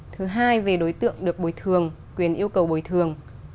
thứ hai về đối tượng được bồi thường quyền yêu cầu bồi thường